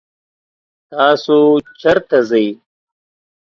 تاسو چرته ځئ؟